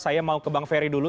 saya mau ke bang ferry dulu